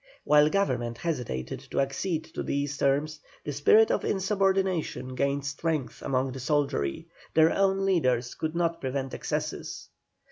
While Government hesitated to accede to these terms the spirit of insubordination gained strength among the soldiery, their own leaders could not prevent excesses.